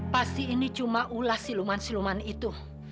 pasti ini cuma ulah siluman siluman itu